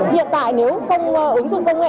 hiện tại nếu không ứng dụng công nghệ